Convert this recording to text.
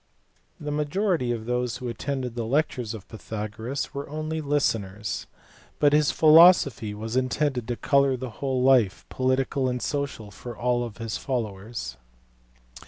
t f ^ The majority of those who attended the lectures of Pytha s goras were only "listeners"; but his philosophy was intended to colour the whole life, political and social, of all his followers.